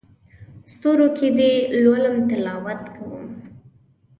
ستورو کې دې لولم تلاوت کوم